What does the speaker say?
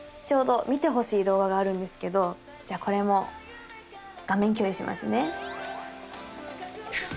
ちょうど見てほしい動画があるんですけどじゃあこれも画面共有しますね。